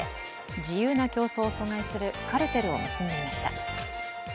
自由な競争を阻害するカルテルを結んでいました。